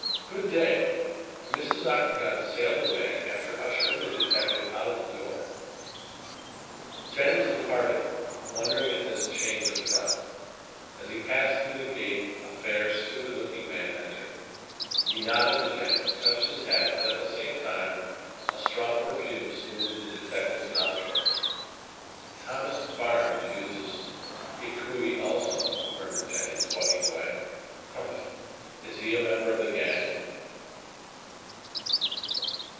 Good day," and Mrs. Octagon sailed away, after ushering the detective out of the door. Jennings departed, wondering at this change of front. As he passed through the gate a fair, stupid looking man entered. He nodded to Jennings, touching his hat, and at the same time a strong perfume saluted the detective's nostrils. "Thomas Barnes uses Hikui also," murmured Jennings, walking away. "Humph! Is he a member of the gang?"